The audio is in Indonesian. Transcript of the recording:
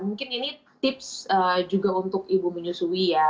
mungkin ini tips juga untuk ibu menyusui ya